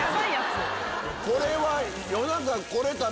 これは。